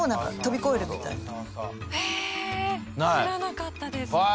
知らなかったです。